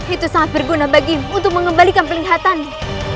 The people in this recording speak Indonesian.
itu sangat berguna bagimu untuk mengembalikan perlihatanmu